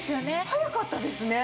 早かったですね。